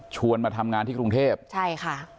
มาทำงานที่กรุงเทพใช่ค่ะ